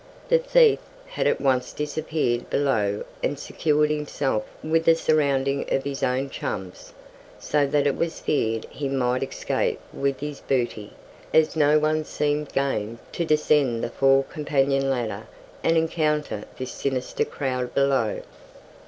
The thief had at once disappeared below and secured himself within a surrounding of his own chums, so that it was feared he might escape with his booty, as no one seemed "game" to descend the fore companion ladder and encounter this sinister crowd below.